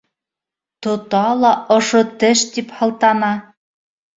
— Тота ла ошо теш тип һылтана!